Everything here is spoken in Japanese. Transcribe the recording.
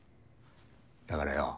だからよ